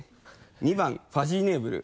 ２番ファジーネーブル。